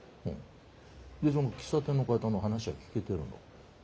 でその喫茶店の方の話は聞けてるの？